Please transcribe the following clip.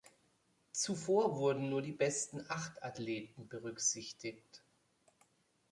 Zuvor wurden nur die besten acht Athleten berücksichtigt.